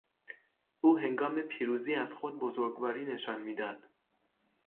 او هنگام پیروزی از خود بزرگواری نشان میداد.